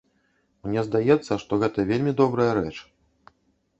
Мне здаецца, што гэта вельмі добрая рэч.